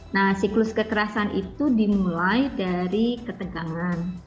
nah siklus kekerasan itu dimulai dari ketegangan